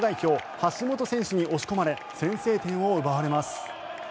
橋本選手に押し込まれ先制点を奪われます。